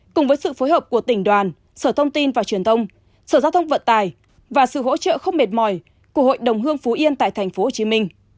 cùng với sự phối hợp của tỉnh đoàn sở thông tin và truyền thông sở giao thông vận tài và sự hỗ trợ không mệt mỏi của hội đồng hương phú yên tại tp hcm